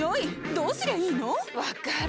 どうすりゃいいの⁉分かる。